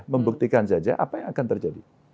membuktikan saja apa yang akan terjadi